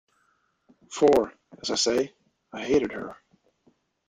For, as I say, I hated her.